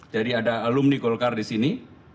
jadi ada alumni golkar di sini